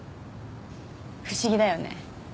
不思議だよね